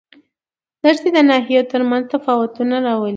دښتې د ناحیو ترمنځ تفاوتونه راولي.